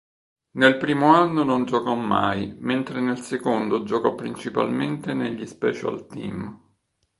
Nel primo anno non giocò mai mentre nel secondo giocò principalmente negli special team.